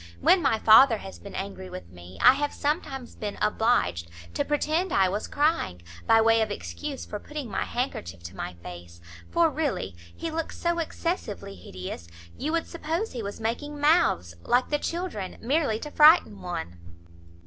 When my father has been angry with me, I have sometimes been obliged to pretend I was crying, by way of excuse for putting my handkerchief to my face; for really he looks so excessively hideous, you would suppose he was making mouths, like the children, merely to frighten one."